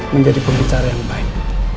menjadi pembicara yang baik